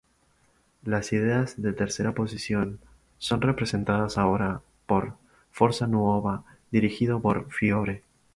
Las ideas de tercera posición son representadas ahora por Forza Nuova, dirigido por Fiore.